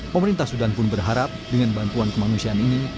pemerintah sudan pun berharap dengan bantuan kemanusiaan ini